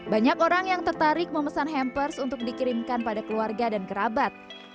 banyak orang yang tertarik memesan hampers untuk dikirimkan pada keluarga dan kerabat